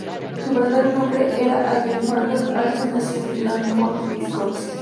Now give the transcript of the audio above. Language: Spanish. Su verdadero nombre era Allen Packard Ellsworth, y nació en Mineral Point, Wisconsin.